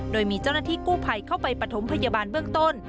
โดยมีเจ้าหน้าที่กู้ภัยเข้าไปปฐมพยาบาลเบื้องต้น